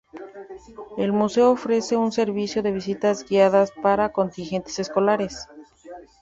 El Museo ofrece un servicio de visitas guiadas para contingentes escolares.